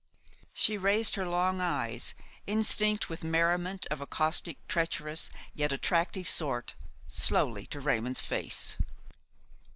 She raised her long eyes, instinct with merriment of a caustic, treacherous, yet attractive sort, slowly to Raymon's face.